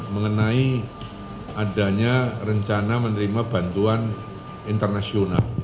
mengenai adanya rencana menerima bantuan internasional